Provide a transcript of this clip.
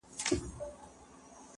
لس او پنځه لس او پنځوس کلونه وکړېدو -